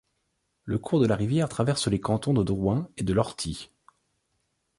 Le cours de la rivière traverse les cantons de Drouin et de Lortie.